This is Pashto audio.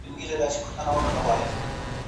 هغه ټولنه چي فکري تنوع لري ژر پرمختګ کوي.